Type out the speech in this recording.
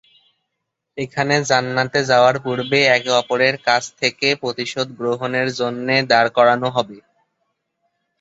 এখানে জান্নাতে যাওয়ার পূর্বে একে অপরের কাছ থেকে প্রতিশোধ গ্রহণের জন্যে দাঁড় করানো হবে।